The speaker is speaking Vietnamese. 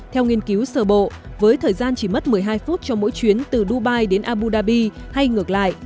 theo nghiên cứu sở bộ với thời gian chỉ mất một mươi hai phút cho mỗi chuyến từ dubai đến abu dhabi hay ngược lại